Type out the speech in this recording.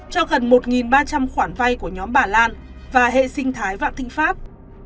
cho gần một ba trăm linh khoản vay của nhóm bà lan và hệ sinh thái vạn thịnh pháp